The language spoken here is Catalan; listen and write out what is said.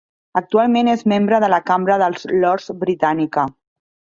Actualment és membre de la Cambra dels Lords britànica.